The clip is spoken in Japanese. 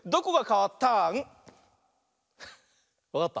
わかった？